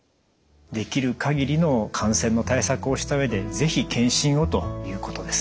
できるかぎりの感染の対策をした上で是非検診をということですね。